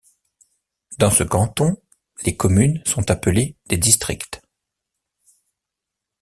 Dans ce canton, les communes sont appelées des districts.